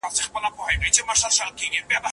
په لاس لیکل د ژبي بډاینه ښیي.